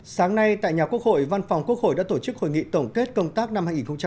sáng nay tại nhà quốc hội văn phòng quốc hội đã tổ chức hội nghị tổng kết công tác năm hai nghìn một mươi chín